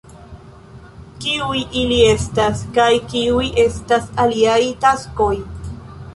Kiuj ili estas, kaj kiuj estas iliaj taskoj?